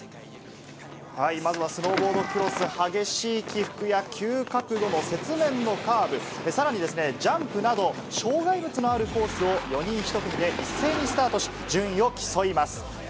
まずはスノーボードクロス、激しい起伏や急角度の雪面のカーブ、さらにジャンプなど、障害物のあるコースを４人１組で一斉にスタートし、順位を競います。